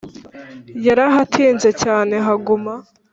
Yarahatinze cyane Haguma,